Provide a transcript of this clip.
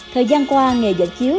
thời gian qua nghề dịch chiếu